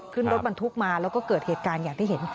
ขึ้นรถบรรทุกมาแล้วก็เกิดเหตุการณ์อย่างที่เห็น